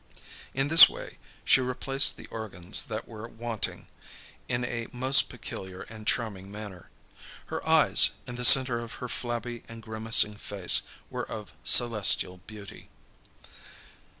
In this way she replaced the organs that were wanting, in a most peculiar and charming manner. Her eyes, in the centre of her flabby and grimacing face, were of celestial beauty.